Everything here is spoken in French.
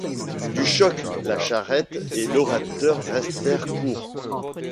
Du choc, la charrette et l’orateur restèrent court.